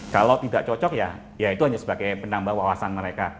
kalau tidak cocok ya ya itu hanya sebagai penambah wawasan mereka